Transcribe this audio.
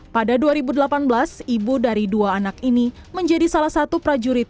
pada dua ribu delapan belas ibu dari dua anak ini menjadi salah satu prajurit